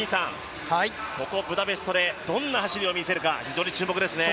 ここ、ブダペストでどんな走りを見せるか非常に注目ですね。